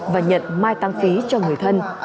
và nhận mai tăng phí cho người thân